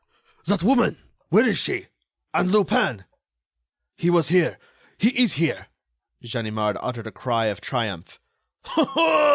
"That woman—where is she? And Lupin?" "He was here ... he is here." Ganimard uttered a cry of triumph.